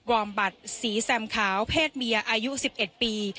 อมบัตรสีแซมขาวเพศเมียอายุ๑๑ปี